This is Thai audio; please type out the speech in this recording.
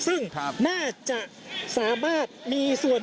คุณภูริพัฒน์บุญนิน